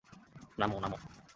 নাম, নাম।